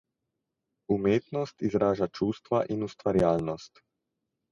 Umetnost izraža čustva in ustvarjalnost.